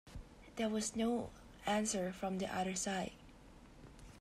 There was no answer from the other side.